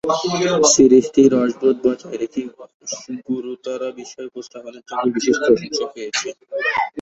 সিরিজটি রসবোধ বজায় রেখে গুরুতর বিষয় উপস্থাপনের জন্য বিশেষ প্রশংসা পেয়েছে।